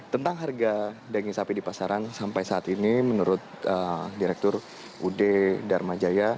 tentang harga daging sapi di pasaran sampai saat ini menurut direktur ud dharma jaya